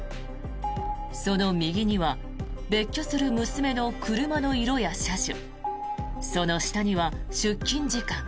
その右には別居する娘の車の色や車種その下には出勤時間。